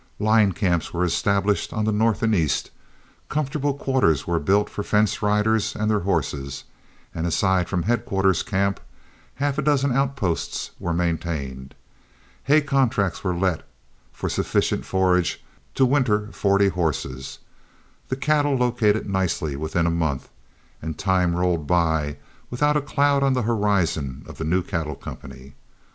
Line camps were established on the north and east, comfortable quarters were built for fence riders and their horses, and aside from headquarters camp, half a dozen outposts were maintained. Hay contracts were let for sufficient forage to winter forty horses, the cattle located nicely within a month, and time rolled by without a cloud on the horizon of the new cattle company.